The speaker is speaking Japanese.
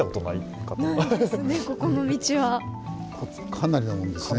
かなりのもんですね。